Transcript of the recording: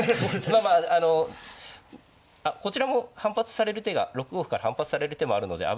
まあまああのこちらも反発される手が６五歩から反発される手もあるので危ないですけど。